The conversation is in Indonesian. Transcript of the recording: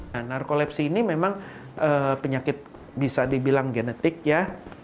nah narkolepsi ini memang penyakit bisa dibilang genetik ya